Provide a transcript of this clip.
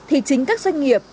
thì chính các doanh nghiệp